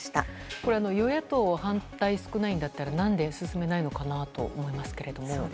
これ与野党反対少ないんだったら何で進めないのかなと思うんですけど。